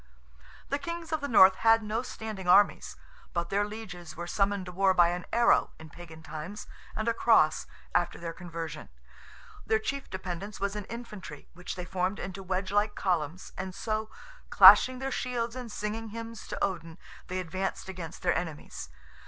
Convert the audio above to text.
The kings of the North had no standing armies, but their lieges were summoned to war by an arrow in Pagan times, and a cross after their conversion. Their chief dependence was in infantry, which they formed into wedge like columns, and so, clashing their shields and singing hymns to Odin, they advanced against their enemies.